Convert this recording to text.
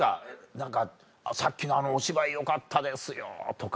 何か「さっきのあのお芝居よかったですよ」とか。